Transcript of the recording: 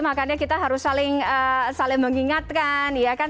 makanya kita harus saling mengingatkan